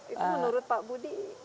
itu menurut pak budi